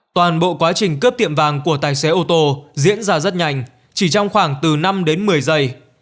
toàn bộ quá trình cướp tiệm vàng của tài xế ô tô diễn ra rất nhanh chỉ trong khoảng từ năm đến một mươi giây